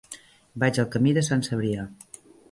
Vaig al camí de Sant Cebrià.